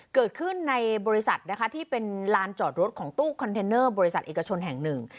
เกิดขึ้นในบริษัทนะคะที่เป็นลานจอดรถของตู้คอนเทนเนอร์บริษัทเอกชนแห่งหนึ่ง